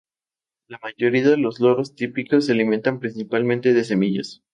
La mayoría de los loros típicos se alimentan principalmente de semillas.